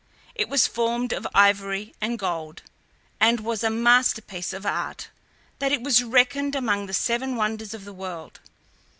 It was formed of ivory and gold, and was such a masterpiece of art, that it was reckoned among the seven wonders of the world.